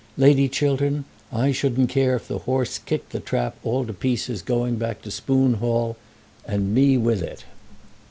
Lady Chiltern, I shouldn't care if the horse kicked the trap all to pieces going back to Spoon Hall, and me with it."